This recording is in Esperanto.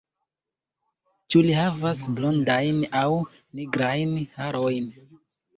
Ĉu li havas blondajn aŭ nigrajn harojn?